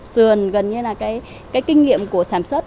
sườn gần như là cái kinh nghiệm của sản xuất